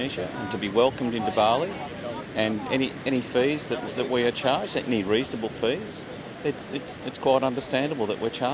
saya tidak setuju bahwa kita perlu bayar rp sepuluh untuk datang ke indonesia